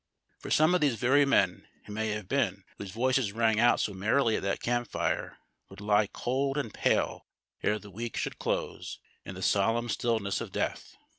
For some of these very men, it may have been, whose voices rang out so merrily at that camp fire, would lie cold and pale ere tlie week should close, in the solemn stillness of death.